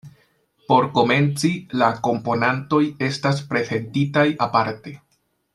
Por komenci, la komponantoj estas prezentitaj aparte.